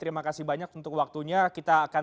terima kasih banyak untuk waktunya kita akan